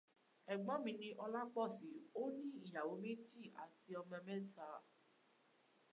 Ẹgbọ́n mi ni Ọlápọ̀si, ó ní ìyàwó méjì, àti ọmọ mẹ́ta.